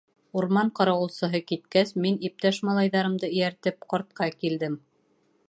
Урман ҡарауылсыһы киткәс, мин, иптәш малайҙарымды эйәртеп, ҡартҡа килдем.